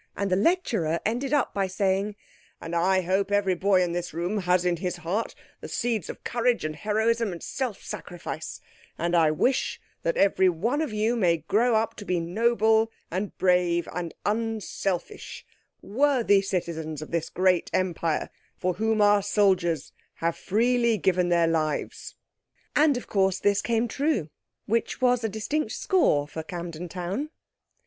And the lecturer ended up by saying, "And I hope every boy in this room has in his heart the seeds of courage and heroism and self sacrifice, and I wish that every one of you may grow up to be noble and brave and unselfish, worthy citizens of this great Empire for whom our soldiers have freely given their lives." And, of course, this came true—which was a distinct score for Camden Town.